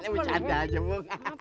ini bercanda aja bu